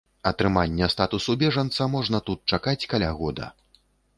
Атрымання статусу бежанца можна тут чакаць каля года.